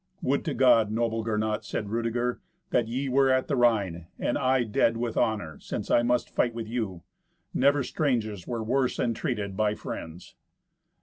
"Would to God, noble Gernot," cried Rudeger, "that ye were at the Rhine, and I dead with honour, since I must fight with you! Never strangers were worse entreated by friends."